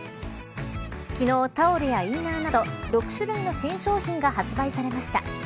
昨日、タオルやインナーなど６種類の新商品が発売されました。